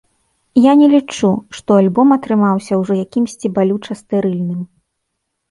Я не лічу, што альбом атрымаўся ўжо якімсьці балюча стэрыльным.